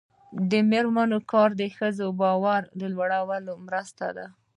د میرمنو کار د ښځو باور لوړولو مرسته ده.